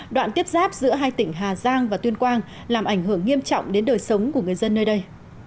đoạn tiếp giáp giữa hai tỉnh hà giang và tuyên quang làm ảnh hưởng nghiêm trọng đến đời sống của người dân nơi đây